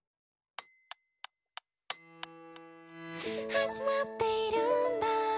「始まっているんだ